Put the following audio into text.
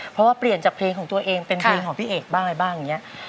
เพราะว่าเปลี่ยนจากเพลงของตัวเองเป็นเพลงของพี่เอกบ้างอะไรบ้างอย่างนี้